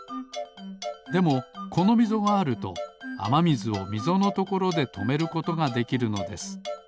でもこのみぞがあるとあまみずをみぞのところでとめることができるのです。